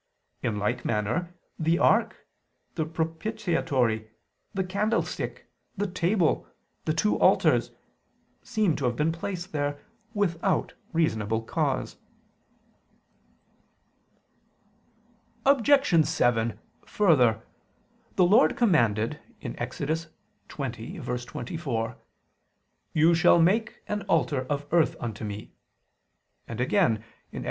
In like manner, the ark, the propitiatory, the candlestick, the table, the two altars, seem to have been placed there without reasonable cause. Obj. 7: Further, the Lord commanded (Ex. 20:24): "You shall make an altar of earth unto Me": and again (Ex.